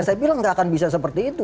saya bilang nggak akan bisa seperti itu